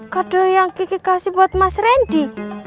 kado yang kiki kasih buat mas randy